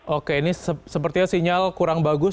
oke ini sepertinya sinyal kurang bagus